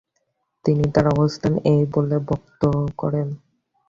তিনি তার অবস্থান এই বলে ব্যক্ত করেন: